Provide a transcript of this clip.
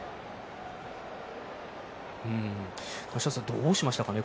どうしましたかね？